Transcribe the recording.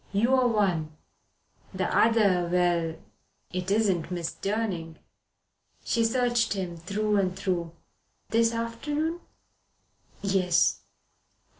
You are one. The other well it isn't Miss Durning." She searched him through and through, "This afternoon?" "Yes."